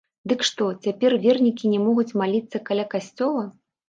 Дык што, цяпер вернікі не могуць маліцца каля касцёла?